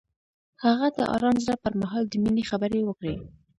هغه د آرام زړه پر مهال د مینې خبرې وکړې.